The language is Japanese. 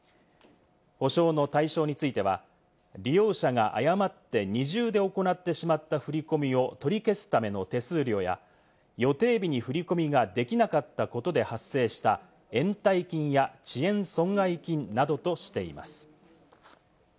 補償の対象については、利用者が誤って二重で行ってしまった振り込みを取り消すための手数料や予定日に振り込みができなかったことで発生した延滞金や遅延損害金などとしています。